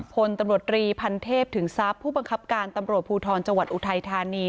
พลตำรวจรีพันเทพถึงทรัพย์ผู้บังคับการตำรวจภูทรจังหวัดอุทัยธานี